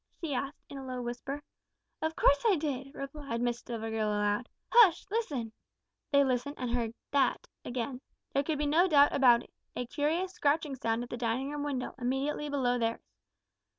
she asked, in a low whisper. "Of course I did," replied Miss Stivergill aloud. "Hush! listen." They listened and heard "that" again. There could be no doubt about it a curious scratching sound at the dining room window immediately below theirs.